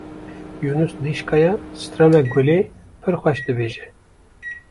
Yûnûs dîşkaya strana Gulê pir xweş dibêje.